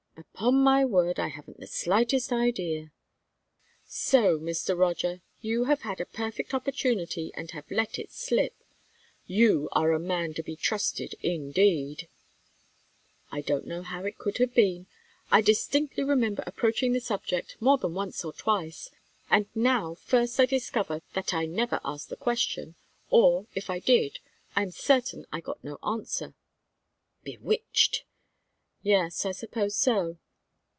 "Upon my word, I haven't the slightest idea." "So, Mr. Roger! You have had a perfect opportunity, and have let it slip! You are a man to be trusted indeed!" "I don't know how it could have been. I distinctly remember approaching the subject more than once or twice; and now first I discover that I never asked the question. Or if I did, I am certain I got no answer." "Bewitched!" "Yes, I suppose so."